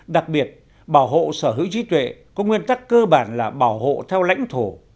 đặc biệt bảo hộ sở hữu trí tuệ có nguyên tắc cơ bản là bảo hộ theo lãnh thổ